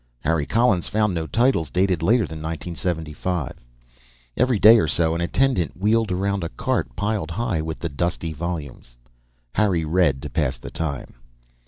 Harry Collins found no titles dated later than 1975. Every day or so an attendant wheeled around a cart piled high with the dusty volumes. Harry read to pass the time.